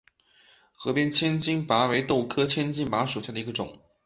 河边千斤拔为豆科千斤拔属下的一个种。